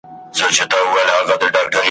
نور به نه ملوک سم نه د اوسپني څپلۍ لرم ,